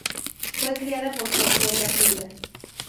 Fue criada por su abuela viuda.